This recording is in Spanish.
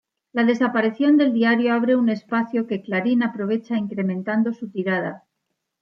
La desaparición del diario abre un espacio que "Clarín" aprovecha incrementando su tirada.